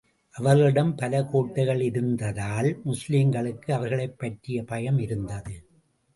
அவர்களிடம் பல கோட்டைகள் இருந்ததால், முஸ்லிம்களுக்கு அவர்களைப் பற்றிய பயம் இருந்தது.